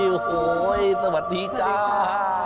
โอ้โหสวัสดีจ้า